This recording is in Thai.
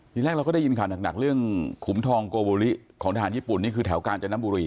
ทีแรกเราก็ได้ยินข่าวหนักเรื่องขุมทองโกบุริของทหารญี่ปุ่นนี่คือแถวกาญจนบุรี